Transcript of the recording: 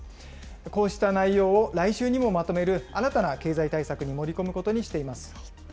こうした内容を来週にもまとめる新たな経済対策に盛り込むことにしています。